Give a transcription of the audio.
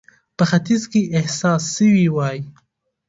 په ختیځ کې احساس سوې وای.